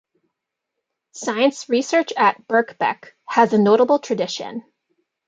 Science research at Birkbeck has a notable tradition.